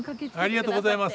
ありがとうございます。